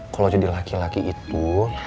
kalau jadi laki laki itu